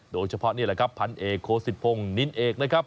โดยเฉพาะนี่แหละครับพันเอกโคศิษภงนินเอกนะครับ